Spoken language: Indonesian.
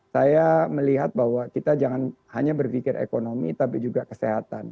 saya melihat bahwa kita jangan hanya berpikir ekonomi tapi juga kesehatan